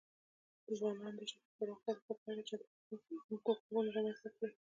د ځوانانو د شخصي پرمختګ لپاره پکار ده چې انتخابونه رامنځته کړي.